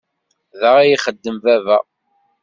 Da i ixeddem baba.